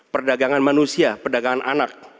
perdagangan manusia perdagangan anak